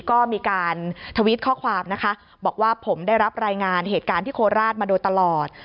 ก็มีการทวิตข้อความนะคะบอกว่าผมได้รับรายงานเหตุการณ์ที่โคราชมาโดยตลอด